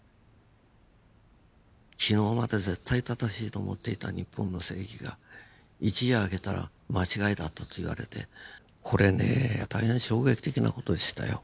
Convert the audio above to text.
昨日まで絶対正しいと思っていた日本の正義が一夜明けたら間違いだったと言われてこれねえ大変衝撃的な事でしたよ。